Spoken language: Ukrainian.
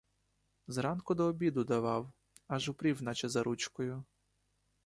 З ранку до обіду давав, аж упрів, наче за ручкою.